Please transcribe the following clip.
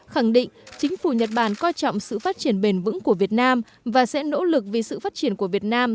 khẳng định chính phủ nhật bản coi trọng sự phát triển bền vững của việt nam và sẽ nỗ lực vì sự phát triển của việt nam